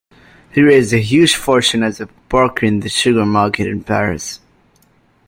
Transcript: He raised a huge fortune as a broker in the sugar market in Paris.